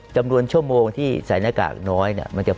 จำนวนชั่วโมงที่ใส่หน้ากากน้อยเนี่ย